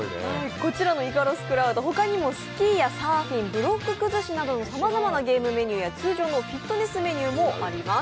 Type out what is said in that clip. こちらのイカロスクラウド、ほかにもスキーやサーフィン、ブロック崩しなどさまざまなゲームメニューや通常のフィットネスメニューもあります。